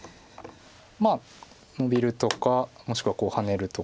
まあノビるとかもしくはハネるとか。